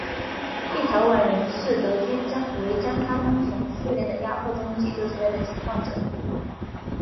立陶宛人视德军为将他们从苏联的压迫中救出来的解放者。